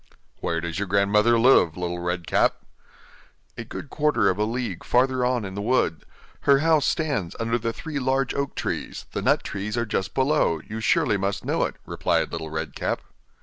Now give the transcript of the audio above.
'Where does your grandmother live, Little Red Cap?' 'A good quarter of a league farther on in the wood; her house stands under the three large oak trees, the nut trees are just below; you surely must know it,' replied Little Red Cap.